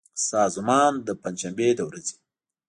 سازمان د پنجشنبې د ورځې